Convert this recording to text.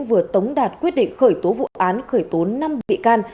vừa tống đạt quyết định khởi tố vụ án khởi tố năm bị can